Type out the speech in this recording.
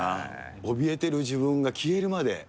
おびえてる自分が消えるまで。